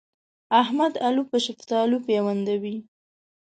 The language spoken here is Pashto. احمد الو په شفتالو پيوندوي.